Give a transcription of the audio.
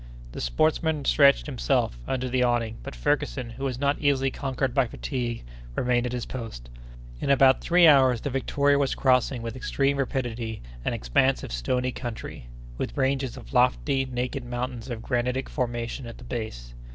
The sportsman stretched himself under the awning; but Ferguson, who was not easily conquered by fatigue, remained at his post. In about three hours the Victoria was crossing with extreme rapidity an expanse of stony country, with ranges of lofty, naked mountains of granitic formation at the base.